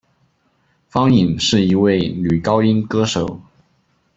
方颖是一位女高音歌手。